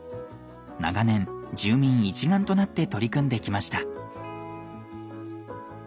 長年住民一丸となって取り組んできました。